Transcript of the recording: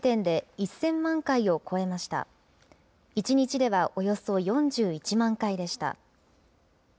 １日ではおよそ４１万回でした。